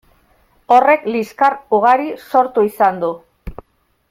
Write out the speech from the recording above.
Horrek liskar ugari sortu izan du.